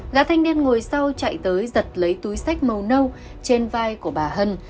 gã thanh niên ngồi sau chạy tới giật lấy túi sách màu nâu trên vai của bà hân